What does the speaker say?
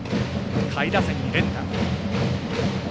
下位打線に連打。